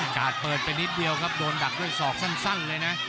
กาดเปิดไปนิดเดียวครับโดนดักด้วยศอกสั้นเลยนะ